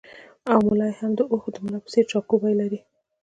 او ملا یې هم د اوښ د ملا په څېر شاکوپي لري